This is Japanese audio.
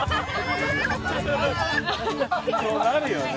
そうなるよね。